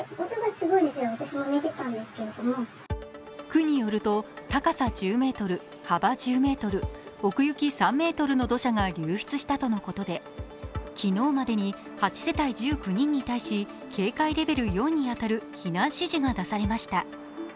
区によると高さ１０ｍ、幅１０ｍ、奥行き３ｍの土砂が流出したのことで昨日までに８世帯１９人に対し警戒レベル４に当たる避難指示が出されました。